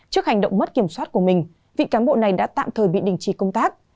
trước hành động mất kiểm soát của mình vị cán bộ này đã tạm thời bị đình chỉ công tác